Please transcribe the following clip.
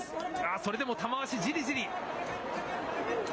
それでも玉鷲、じりじり。